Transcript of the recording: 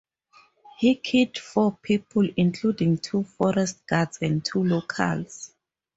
He killed four people, including two forest guards and two locals.